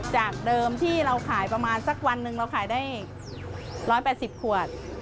จากเดิมที่เราขายประมาณสักวันหนึ่งเราขายได้๑๘๐ขวด